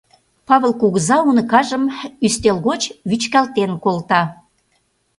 — Павыл кугыза уныкажым ӱстел гоч вӱчкалтен колта.